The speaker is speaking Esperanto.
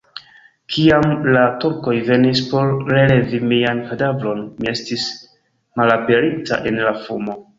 Kiam la Turkoj venis por relevi mian kadavron, mi estis malaperinta en la fumo.